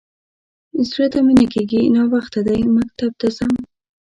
_زړه ته مې نه کېږي. ناوخته دی، مکتب ته ځم.